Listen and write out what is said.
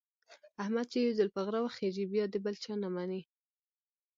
احمد چې یو ځل په غره وخېژي، بیا د بل چا نه مني.